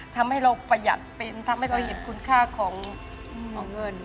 ทำให้เราประหยัดเป็นทำให้เราเห็นคุณค่าของเงิน